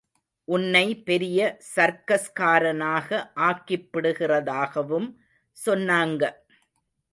உன்னை பெரிய சர்க்கஸ்காரனாக ஆக்கிப்பிடுகிறதாகவும் சொன்னாங்க.